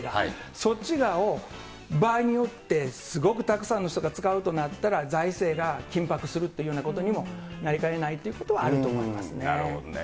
そちらを、場合によってすごくたくさんの人が使うとなったら、財政が緊迫するというようなことにもなりかねないということはあなるほどね。